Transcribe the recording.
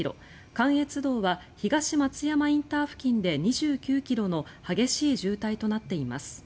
関越道は東松山ＩＣ付近で２９ｋｍの激しい渋滞となっています。